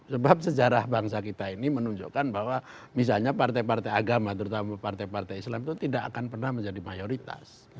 sebab sejarah bangsa kita ini menunjukkan bahwa misalnya partai partai agama terutama partai partai islam itu tidak akan pernah menjadi mayoritas